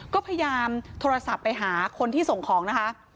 ก็พยายามโทรศัพท์ไปหาคนที่ส่งของนะคะ